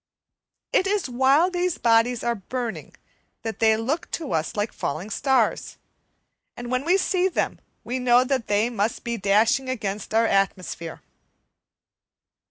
It is while these bodies are burning that they look to us like falling stars, and when we see them we know that hey must be dashing against our atmosphere.